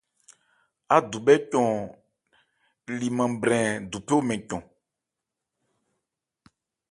Ádubhɛ́ cɔn 'liman brɛn duphe hromɛn cɔn.